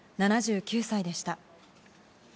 ７９歳でした。